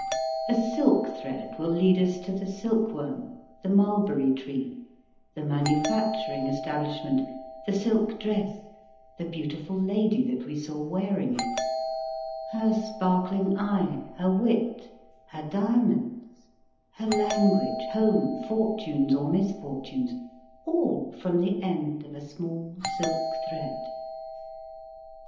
A silk thread will lead us to the silk worm, the mulberry tree, the manu facturing establishment, the silk dress, the beautiful lady that we saw wearing it, her sparkling eye, her wit, her dia monds, her language, home, fortunes or misfortunes, all from the end of a small silk thread.